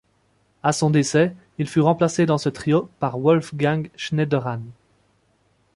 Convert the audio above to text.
À son décès, il fut remplacé dans ce trio par Wolfgang Schneiderhan.